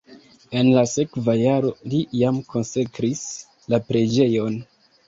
En la sekva jaro li jam konsekris la preĝejon.